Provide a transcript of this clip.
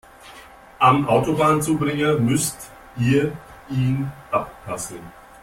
Am Autobahnzubringer müsst ihr ihn abpassen.